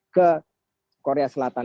ke korea selatan